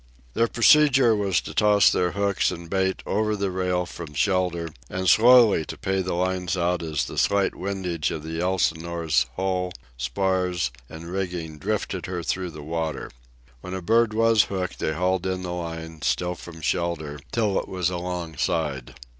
Their procedure was to toss their hooks and bait over the rail from shelter and slowly to pay the lines out as the slight windage of the Elsinore's hull, spars, and rigging drifted her through the water. When a bird was hooked they hauled in the line, still from shelter, till it was alongside.